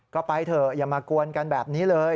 ก็ไปเถอะอย่ามากวนกันแบบนี้เลย